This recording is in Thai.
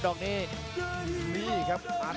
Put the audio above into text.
หัวจิตหัวใจแก่เกินร้อยครับ